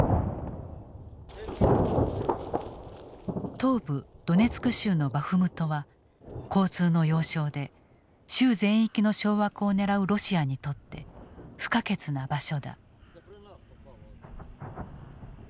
東部ドネツク州のバフムトは交通の要衝で州全域の掌握を狙うロシアにとって不可欠な場所だ。